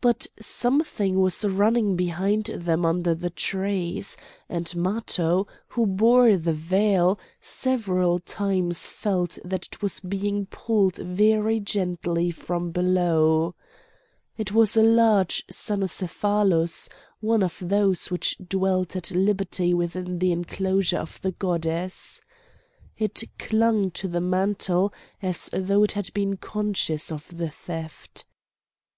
But something was running behind them under the trees; and Matho, who bore the veil, several times felt that it was being pulled very gently from below. It was a large cynocephalus, one of those which dwelt at liberty within the enclosure of the goddess. It clung to the mantle as though it had been conscious of the theft.